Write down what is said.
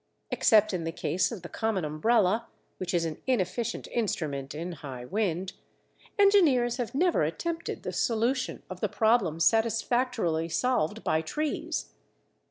Except in the case of the common umbrella, which is an inefficient instrument in high wind, engineers have never attempted the solution of the problem satisfactorily solved by trees.